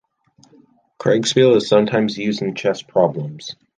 Kriegspiel is sometimes used in chess problems.